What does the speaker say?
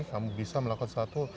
kamu bisa melakukan sesuatu